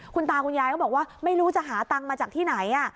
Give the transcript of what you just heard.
คุณตาคุณยายก็บอกว่าไม่รู้จะหาตังค์มาจากที่ไหน